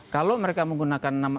kalau mereka menggunakan nama